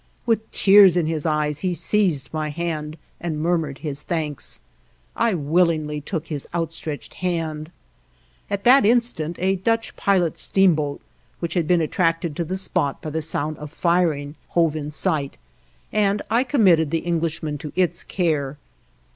With tears in his eyes, he seized my hand and murmured his thanks. I willingly took his outstretched hand.... At that instant a Dutch pilot steamboat, which had been attracted to the spot by the sound of firing, hove in sight, and I committed the Englishmen to its care.